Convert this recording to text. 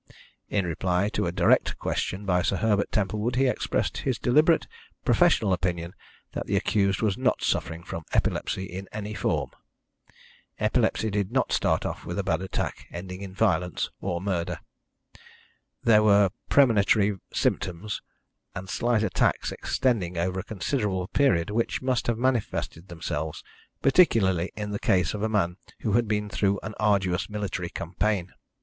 In reply to a direct question by Sir Herbert Templewood, he expressed his deliberate professional opinion that the accused was not suffering from epilepsy in any form. Epilepsy did not start off with a bad attack ending in violence or murder. There were premonitory symptoms and slight attacks extending over a considerable period, which must have manifested themselves, particularly in the case of a man who had been through an arduous military campaign.